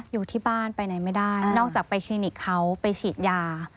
อยู่ที่บ้านไปไหนไม่ได้นอกจากไปคลินิกเขาไปฉีดยา